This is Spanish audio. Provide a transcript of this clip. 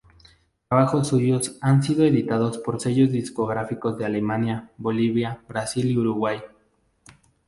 Trabajos suyos han sido editados por sellos discográficos de Alemania, Bolivia, Brasil y Uruguay.